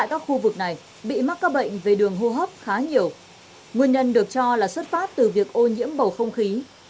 nguyên nhân được cho là xuất phát từ việc ô nhiễm bầu không khí